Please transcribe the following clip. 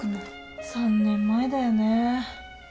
３年前だよね。